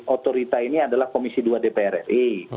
otorita ini adalah komisi dua dpr ri